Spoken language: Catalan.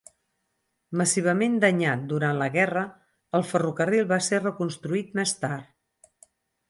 Massivament danyat durant la guerra, el ferrocarril va ser reconstruït més tard.